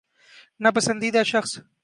نا پسندیدہ شخص